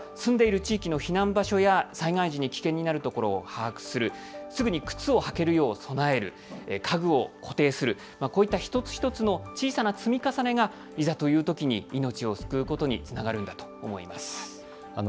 事前の備え、例えば、住んでいる地域の避難場所や災害時に危険になるところを把握する、すぐに靴を履けるよう備える、家具を固定する、こういった一つ一つの小さな積み重ねがいざというときに命を救うことにつながるんだと思います。